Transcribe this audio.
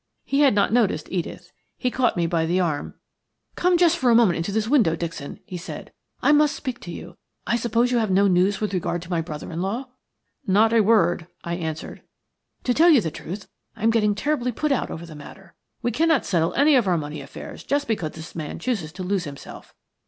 He had not noticed Edith. He caught me by the arm. "Come just for a minute into this window, Dixon," he said. "I must speak to you. I suppose you have no news with regard to my brother in law?" "Not a word," I answered. "To tell you the truth, I am getting terribly put out over the matter. We cannot settle any of our money affairs just because this man chooses to lose himself.